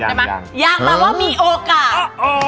ยังหมายถึงว่ามีโอกาส